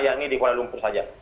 yakni di kuala lumpur saja